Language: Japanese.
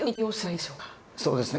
まあそうですね。